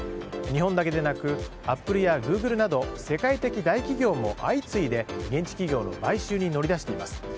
日本だけでなくアップルやグーグルなど世界的大企業も相次いで現地企業の買収に乗り出しています。